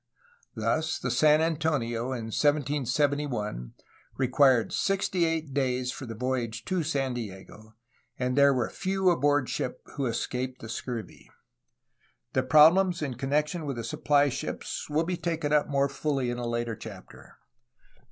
Thus the San Antonio in 1771 required sixty eight days for the voyage to San Diego, and there were few aboard ship who escaped the scurvy. The problems in connection with the supply ships will be taken up more fully in a later chapter.